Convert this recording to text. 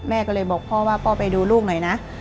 แม่ก็เลยบอกพ่อว่าพ่อไปดูลูกหน่อยนะ